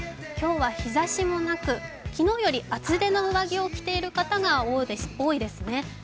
今日は日ざしもなく、昨日より厚手の上着を着ている方が多いですね。